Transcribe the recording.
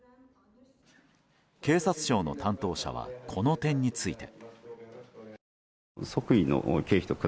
警察庁の担当者はこの点について。